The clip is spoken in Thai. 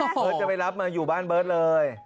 เบิร์ตจะไปรับมาอยู่บ้านเบิร์ตเลย